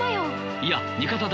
いや味方だ。